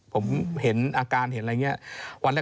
ผมเห็นอาการเห็นอะไรอย่างนี้